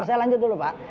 ntar saya lanjut dulu pak